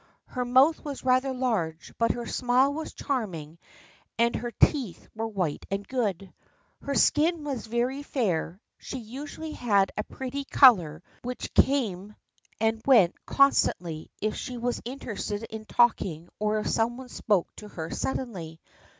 Her mouth was rather large but her smile was charming and her teeth were white and good. Her skin was very fair and she usually had a pretty color which came and went constantly if she were interested in talk ing or if one spoke to her suddenly.